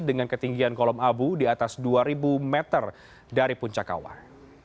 dengan ketinggian kolom abu di atas dua ribu meter dari puncak kawah